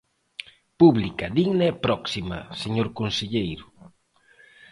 Pública, digna e próxima, señor conselleiro.